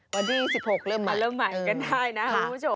วันนี้๑๖เริ่มใหม่เริ่มใหม่กันได้นะครับ